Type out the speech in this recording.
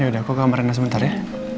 yaudah aku ke kamar rena sebentar ya